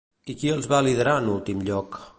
I qui els va liderar en últim lloc?